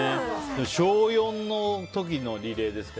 小４の時のリレーですか。